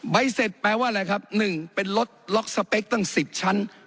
ใบเสร็จแปลว่าอะไรครับ๑เป็นรถล็อกสเปคตั้ง๑๐ชั้น